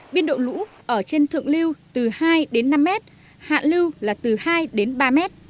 biên độ lũ ở trên thượng lưu từ hai đến năm mét hạ lưu là từ hai đến ba mét